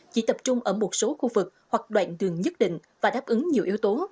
chỉ tập trung ở một số khu vực hoặc đoạn đường nhất định và đáp ứng nhiều yếu tố